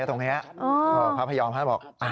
ตรงนี้พระพยอมท่านบอก